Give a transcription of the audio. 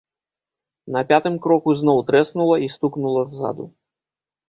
На пятым кроку зноў трэснула і стукнула ззаду.